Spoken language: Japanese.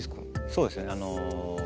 そうですね